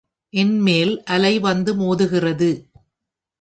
என்மேல் அலை வந்து மோதுகிறது.